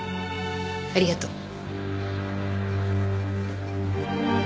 ありがとう。